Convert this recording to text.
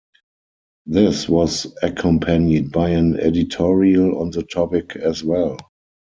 This was accompanied by an editorial on the topic as well.